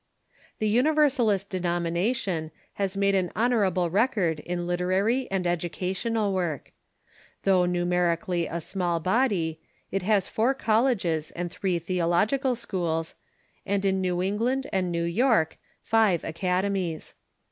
The Universalist denomination has made an honorable rec ord in literary and educational work. Though numerically a small body, it has four colleges and three theological schools, and in New England and New York live academies.